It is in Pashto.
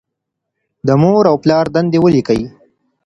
د مور او پلار دندې ولیکئ.